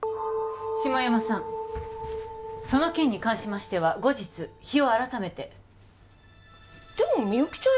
下山さんその件に関しましては後日日を改めてでもみゆきちゃん